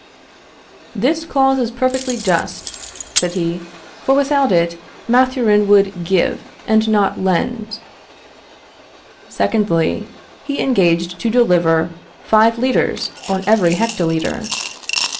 "This first clause is perfectly just," said he, "for without it Mathurin would give, and not lend." Secondly He engaged to deliver five litres on every hectolitre.